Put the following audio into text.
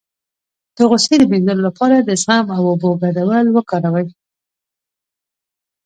د غوسې د مینځلو لپاره د زغم او اوبو ګډول وکاروئ